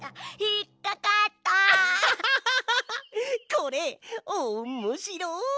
これおっもしろい！